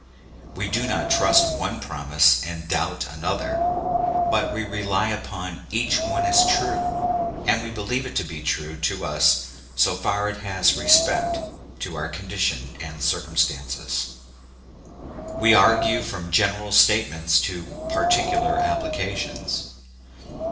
We do not trust one promise and doubt another, but we rely upon each one as true, and we believe it to be true to us so far as it has respect to our condition and \ 38 According to the Promise. circumstances. We argue from general stattmer"""^ , to particular applications.